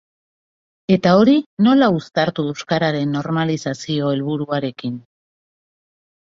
Eta hori nola uztartu euskararen normalizazio helburuarekin?